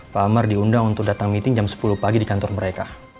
pak amar diundang untuk datang meeting jam sepuluh pagi di kantor mereka